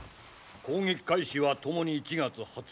攻撃開始はともに１月２０日。